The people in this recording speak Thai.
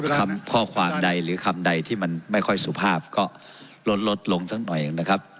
คำข้อความใดหรือคำใดที่มันไม่ค่อยสุภาพก็ลดลดลงสักหน่อยนะครับ